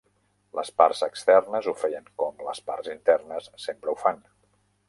Les parts externes ho feien com les parts internes sempre ho fan.